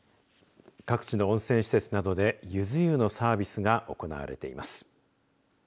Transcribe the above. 各地の温泉施設などでゆず湯のサービスが行われています。